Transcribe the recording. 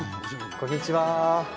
こんにちは。